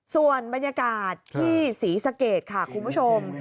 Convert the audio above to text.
ส่วนบรรยากาศที่ศรีสะเกดค่ะคุณผู้ชม